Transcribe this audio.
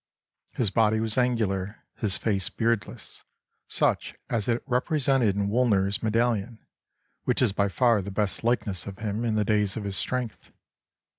His body was angular, his face beardless, such as it is represented in Woolner's medallion, which is by far the best likeness of him in the days of his strength.